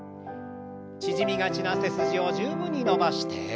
縮みがちな背筋を十分に伸ばして。